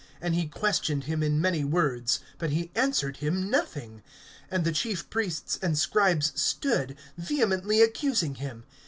(9)And he questioned him in many words; but he answered him nothing. (10)And the chief priests and scribes stood, vehemently accusing him.